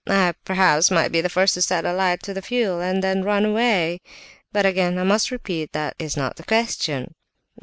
I, perhaps, might be the first to set a light to the fuel, and then run away. But, again, I must repeat, that is not the question."